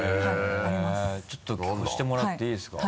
ちょっと聞かせてもらっていいですか？